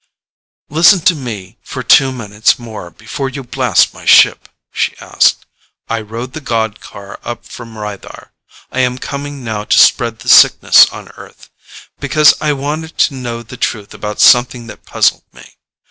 "Listen to me for two minutes more before you blast my ship," she asked. "I rode the god car up from Rythar I am coming now to spread the Sickness on Earth because I wanted to know the truth about something that puzzled me.